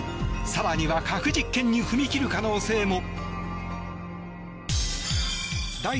更には核実験に踏み切る可能性も。